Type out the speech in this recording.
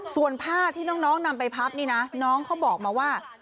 ส่วนผ้าที่น้องนำไปพับนี่นะน้องเขาบอกมาว่า